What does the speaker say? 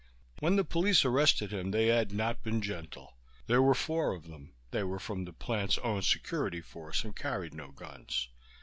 When the police arrested him they had not been gentle. There were four of them. They were from the plant's own security force and carried no guns.